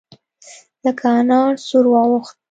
لکه انار سور واوښت.